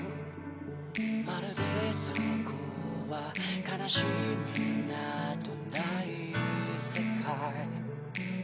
「まるでそこは悲しみなどない世界」